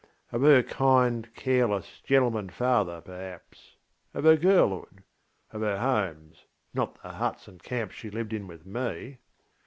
Of her kind, careless, gentleman father, perhaps. Of her girlhood. Of her homesŌĆönot the huts and camps she lived in with me.